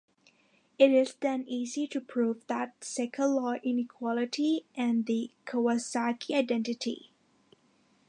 It is then easy to prove the second law inequality and the Kawasaki identity.